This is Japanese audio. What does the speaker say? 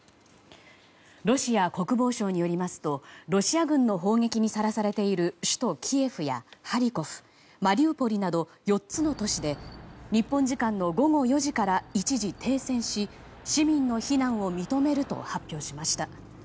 ロシア国防省によりますとロシア軍の砲撃にさらされている首都キエフやハリコフマリウポリなど４つの都市で日本時間の午後４時から一時停戦し市民の避難を認めると発表しました。